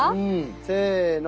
せの！